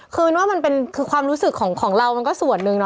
คือมันว่ามันเป็นคือความรู้สึกของเรามันก็ส่วนหนึ่ง